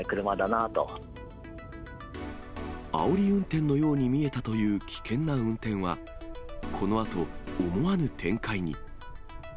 あおり運転のように見えたという危険な運転は、このあと、思わぬ展開に。